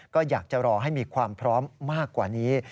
ก็อยากจะรอให้มีความพร้อมมากกว่านี้